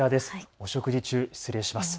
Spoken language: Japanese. お食事中、失礼します。